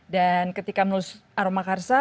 dan ketika menulis aroma karsa